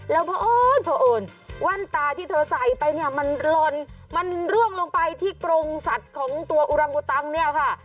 แล้วเพราะเอิญเพราะเอิญแว่นตาที่เธอใส่ไปเนี่ยมันลนมันร่วงลงไปที่กรงสัตว์ของตัวอุรังอุตังเนี่ยค่ะ